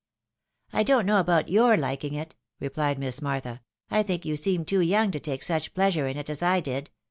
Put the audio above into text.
" I don't know about your liking it," replied Miss Martha. " I think you seem too young to take such pleasure in it as. I did.